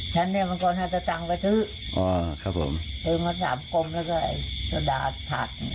อ๋อเจนทำของทำของอะไรกันไหมยาย